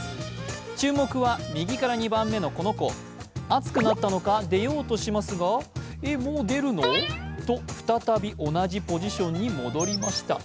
注目は右から２番目のこの子、熱くなったのか、出ようといますが、え、もう出るの？と再び同じポジションに戻りました。